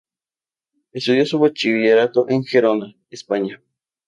Estudió su bachillerato en Gerona, España.